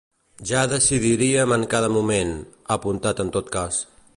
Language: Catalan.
“Ja decidiríem en cada moment”, ha apuntat en tot cas.